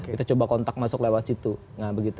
kita coba kontak masuk lewat situ